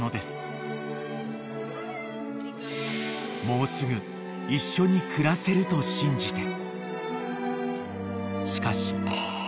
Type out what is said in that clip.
［もうすぐ一緒に暮らせると信じて］